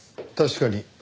確かに。